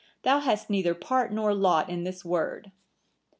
Thou hast neither part nor lot in this word.